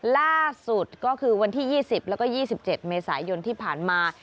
ล่าสุดก็คือวันที่๒๐แล้วก็๒๗เมษายนที่ผ่านมา